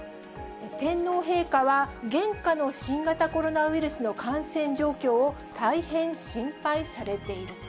天皇陛下は、現下の新型コロナウイルスの感染状況を、大変心配されていると。